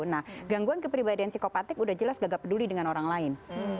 nah gangguan kepribadian psikopatik udah jelas gagap peduli dengan orang lain